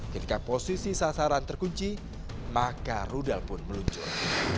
ketika posisi sasaran terkunci maka rudal pun meluncur